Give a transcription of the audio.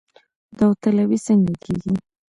داوطلبي څنګه کیږي؟